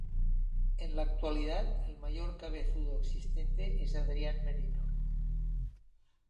En la actualidad el mayor cabezudo existente es Adrian Merino.